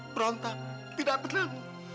berontak tidak tenang